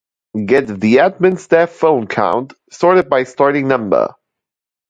Get the admin staff phone count, sorted by starting number